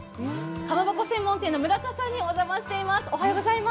かまぼこ専門店のＭＵＲＡＴＡにお邪魔しています。